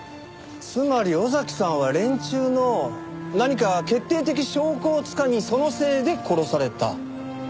つまり尾崎さんは連中の何か決定的証拠をつかみそのせいで殺された。